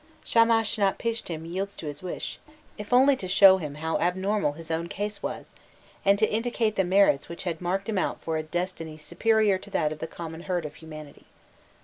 Shamashnapishtim yields to his wish, if only to show him how abnormal his own case was, and indicate the merits which had marked him out for a destiny superior to that of the common herd of humanity.